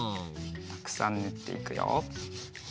たくさんぬっていくよ。